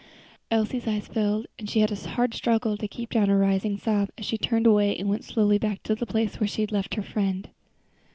Elsie's eyes filled, and she had a hard struggle to keep down a rising sob as she turned away and went slowly back to the place where she had left her friend.